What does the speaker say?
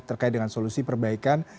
terkait dengan solusi perbaikan